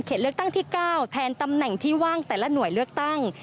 เลือกตั้งที่๙แทนตำแหน่งที่ว่างแต่ละหน่วยเลือกตั้ง